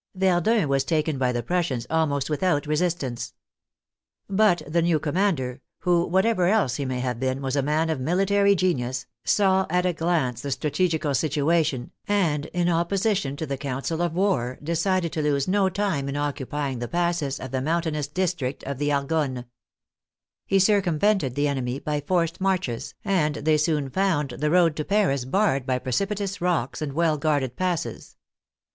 Verdun was taken by the Prussians almost without resistance. But the new commander, who, what ever else he may have been, was a man of military genius, saw at a glance the strategical situation, and, in opposi tion to the council of war, decided to lose no time in oc cupying the passes of the mountainous district of the Argonne. He circumvented the enemy by forced marches, and they soon found the road to Paris barred by precipitous rocks and well guarded passes.